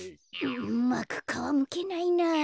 うまくかわむけないな。